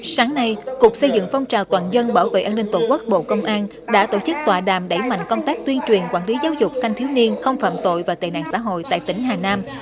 sáng nay cục xây dựng phong trào toàn dân bảo vệ an ninh tổ quốc bộ công an đã tổ chức tọa đàm đẩy mạnh công tác tuyên truyền quản lý giáo dục thanh thiếu niên không phạm tội và tệ nạn xã hội tại tỉnh hà nam